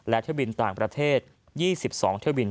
และเที่ยวบินต่างประเทศ๒๒เที่ยวบิน